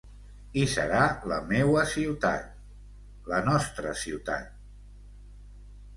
I serà la meua ciutat, la nostra ciutat..